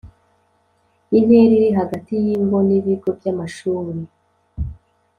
Intera iri hagati y ingo n ibigo by amashuri